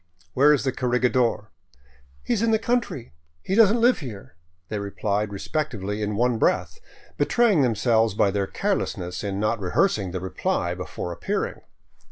"Where is the corregidor?" " He is in the country. He does n't live here," they replied re spectively in one breath, betraying themselves by their carelessness in not rehearsing the reply before appearing.